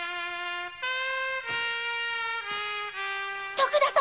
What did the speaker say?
徳田様！